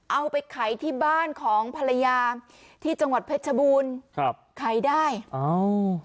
เอาไปขายที่บ้านของภรรยาที่จังหวัดเพชรชบูรณ์ครับขายได้อ้าว